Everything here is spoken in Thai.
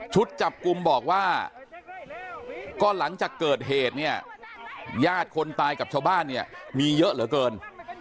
จับกลุ่มบอกว่าก็หลังจากเกิดเหตุเนี่ยญาติคนตายกับชาวบ้านเนี่ยมีเยอะเหลือเกิน